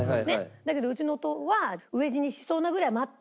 だけどうちの夫は飢え死にしそうなぐらい待って。